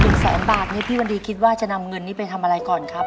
แสนบาทเนี่ยพี่วันดีคิดว่าจะนำเงินนี้ไปทำอะไรก่อนครับ